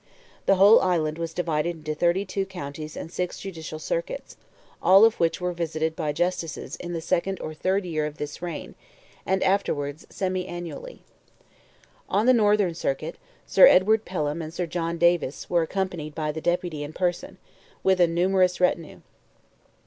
The whole island was divided into 32 counties and 6 judicial circuits, all of which were visited by Justices in the second or third year of this reign, and afterwards semi annually. On the Northern Circuit Sir Edward Pelham and Sir John Davis were accompanied by the Deputy in person, with a numerous retinue.